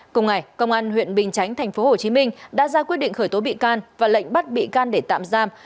cùng ngày công an tp hcm đã ra quyết định khởi tố bị can và lệnh bắt bị can để tạm giam